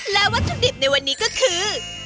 และวัตถุดิบในวันนี้ก็คือ